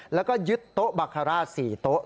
แล้วก็ยึดโต๊ะบาคาร่า๔โต๊ะ